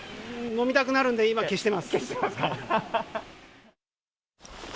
飲みたくなるんで、今、消してます。